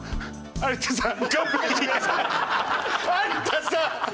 有田さん！